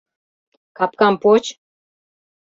— Капкам поч!